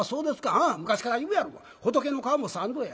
「ああ昔から言うやろが『仏の顔も三度』や」。